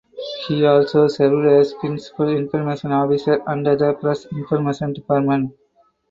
He also served as principal information officer under the Press Information Department.